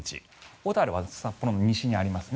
小樽は札幌の西にありますね。